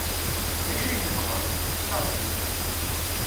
Dacu i nebɣa? D taɣdemt!